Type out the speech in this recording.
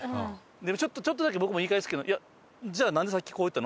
でもちょっとだけ僕も言い返すけど「じゃあなんでさっきこう言ったの？」